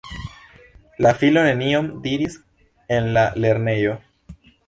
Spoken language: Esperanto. La filo nenion diris en la lernejo.